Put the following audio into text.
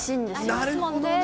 なるほどね。